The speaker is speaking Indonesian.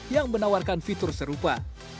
yang menawarkan fitur serupa